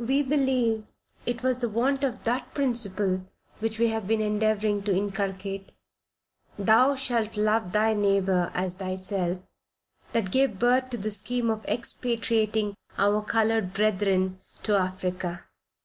We believe it was the want of that principle which we have been endeavoring to inculcate, "Thou shalt love thy neighbor as thyself," that gave birth to the scheme of expatriating our colored brethren to Africa.